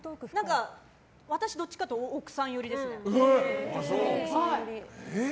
私、どっちかっていうと奥さん寄りです。